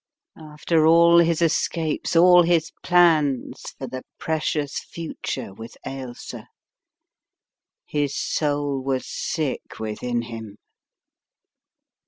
After all his escapes, all his plans for the precious future with Ailsa. His soul was sick within him.